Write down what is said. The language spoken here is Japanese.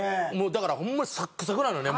だからホンマにサックサクなのよね